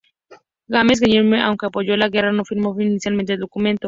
James Guillaume, aunque apoyó la guerra, no firmó inicialmente el documento.